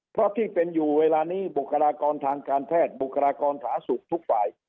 เพราะที่เป็นอยู่เวลานี้บุคลากรทางการแพทย์บุคลากรผาสุขทุกฝ่าย